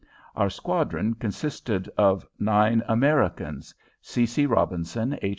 Our squadron consisted of nine Americans, C. C. Robinson, H.